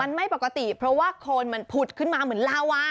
มันไม่ปกติเพราะว่าโคนมันผุดขึ้นมาเหมือนลาวา